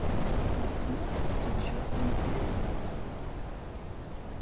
Weltma tetteg jogging yal ass.